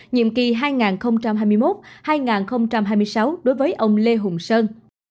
nhiệm kỳ hai nghìn hai mươi một hai nghìn hai mươi sáu đối với ông lê hùng sơn